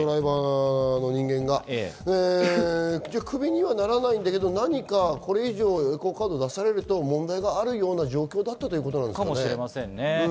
クビにはならないんだけれども、これ以上、エコーカードを出されると問題があるような状況だったということなんですかね？